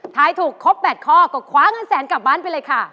ถ่ายถูกครบ๘ข้อก็คว้าเงินแสนกลับบ้านไปเลยค่ะ